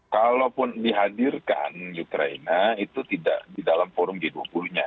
kalaupun dihadirkan ukraina itu tidak di dalam forum g dua puluh nya